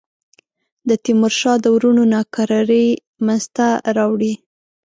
د تیمورشاه د وروڼو ناکراری منځته راوړي.